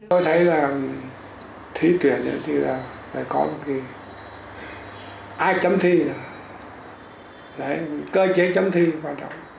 tôi thấy là thi tuyển thì là phải có một cái ai chấm thi là cơ chế chấm thi quan trọng